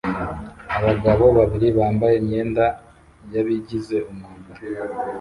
Abagabo babiri bambaye imyenda yabigize umwuga